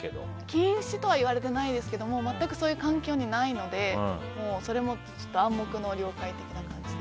禁止とは言われてないですけど全くそういう環境にないのでそれも暗黙の了解的な感じで。